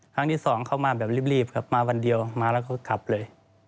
ครั้งที่๒เขามาแบบรีบมาวันเดียวมาแล้วก็กลับเลย